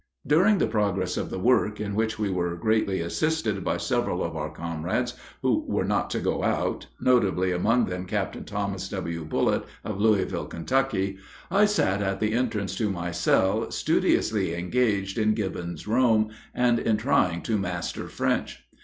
] During the progress of the work, in which we were greatly assisted by several of our comrades who were not to go out, notably among them Captain Thomas W. Bullitt of Louisville, Kentucky, I sat at the entrance to my cell studiously engaged on Gibbon's Rome and in trying to master French.